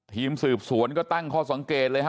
ทีมสืบสวนก็ตั้งข้อสังเกตเลยฮะ